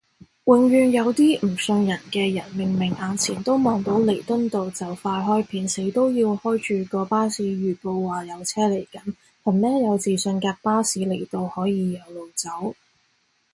永遠有啲唔信人嘅人，明明眼前都望到彌敦道就快開片，死都要開住個巴士預報話有車嚟緊，憑咩有自信架巴士嚟到可以有路走？